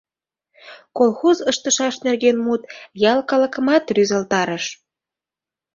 Колхоз ыштышаш нерген мут ял калыкымат рӱзалтарыш.